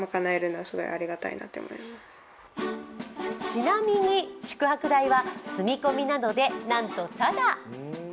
ちなみに、宿泊代は住み込みなのでなんとタダ。